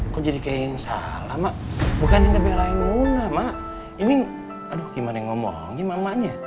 kok jadi kayak yang salah mah bukan yang ngebelain muna mah ini aduh gimana ngomongnya mamanya